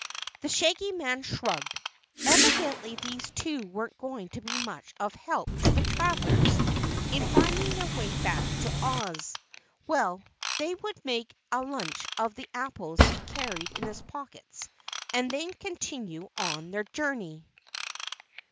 The Shaggy Man shrugged. Evidently these two weren't going to be of much help to the travelers in finding their way back to Oz. Well, they would make a lunch of the apples he carried in his pockets and then continue on their journey.